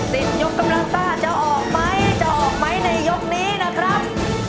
ยกกำลังซ่าจะออกไหมจะออกไหมในยกนี้นะครับ